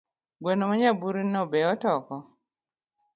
Gweno ma nyaburino betook?